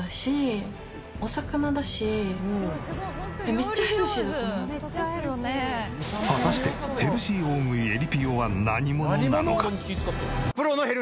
「めっちゃヘルシー」果たしてヘルシー大食いえりぴよは何者なのか？